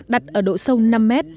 đặt ở độ sâu năm mét